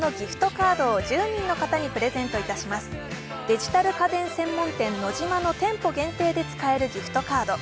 デジタル家電専門店ノジマの店舗限定で使えるギフトカード。